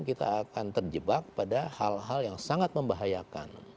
kita akan terjebak pada hal hal yang sangat membahayakan